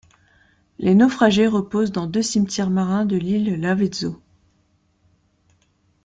Les naufragés reposent dans deux cimetières marins de l'île Lavezzo.